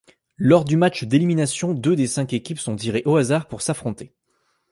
Lors du match d'élimination deux des cinq équipes sont tirés au hasard pour s'affronter.